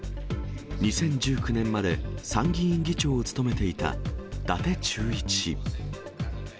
２０１９年まで参議院議長を務めていた、伊達忠一氏。